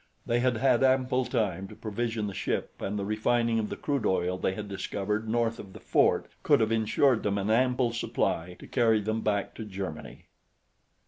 They had had ample time to provision the ship and the refining of the crude oil they had discovered north of the fort could have insured them an ample supply to carry them back to Germany.